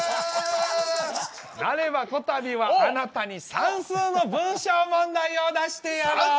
なればこたびはあなたに算数の文章問題を出してやろう。